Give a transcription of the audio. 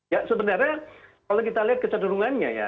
ya sebenarnya kalau kita lihat kecenderungannya ya